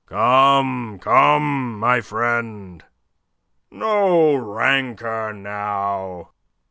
"Come, come, my friend, no rancour now.